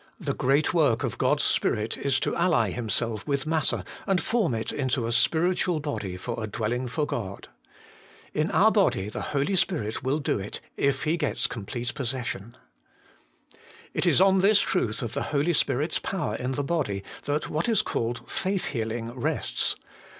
The great work of God's Spirit is to ally Himself with matter, and form it into a spiritual body for a dwelling for God. In our body the Holy Spirit will do it, if He gets complete possession. 6. It Is on this truth of the Holy Spirit's power in the body that what Is called Faith healing rests.